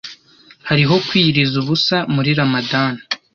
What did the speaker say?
hariho kwiyiriza ubusa muri Ramadhan